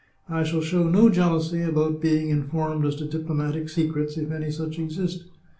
I shall show no jealousy about being in formed as to diplomatic secrets, if any such exist.